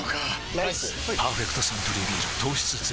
ライス「パーフェクトサントリービール糖質ゼロ」